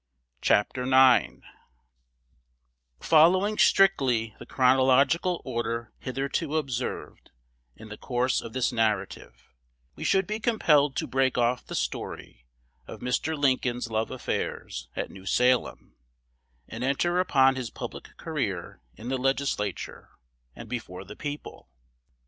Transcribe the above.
CHAPTER IX FOLLOWING strictly the chronological order hitherto observed in the course of this narrative, we should be compelled to break off the story of Mr. Lincoln's love affairs at New Salem, and enter upon his public career in the Legislature and before the people.